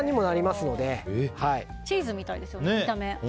チーズみたいですね、見た目。